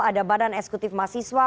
ada badan esekutif masiswa